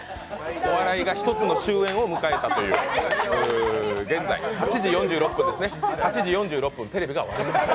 お笑いが一つの終えんを迎えたという、現在８時４６分テレビが終わりました